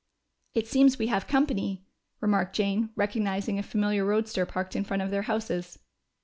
"It seems we have company," remarked Jane, recognizing a familiar roadster parked in front of their houses.